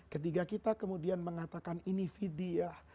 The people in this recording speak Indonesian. ketika kita kemudian mengatakan ini vidyah